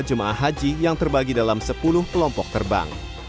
jemaah haji yang terbagi dalam sepuluh kelompok terbang